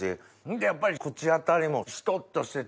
でやっぱり口当たりもしとっとしてて